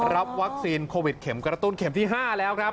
รับวัคซีนโควิดเข็มกระตุ้นเข็มที่๕แล้วครับ